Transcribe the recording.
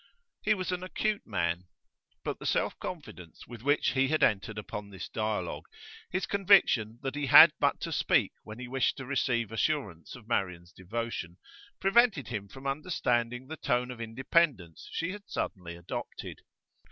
He was an acute man, but the self confidence with which he had entered upon this dialogue, his conviction that he had but to speak when he wished to receive assurance of Marian's devotion, prevented him from understanding the tone of independence she had suddenly adopted.